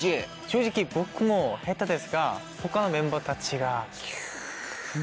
正直僕も下手ですが他のメンバーたちが。